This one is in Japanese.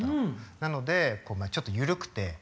なのでちょっとゆるくて。